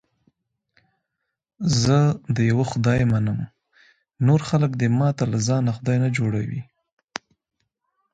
زه د یوه خدای منم، نور خلک دې ماته له ځانه خدای نه جوړي.